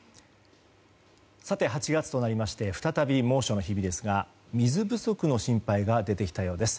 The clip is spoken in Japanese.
８月となりまして再び猛暑の日々ですが水不足の心配が出てきたようです。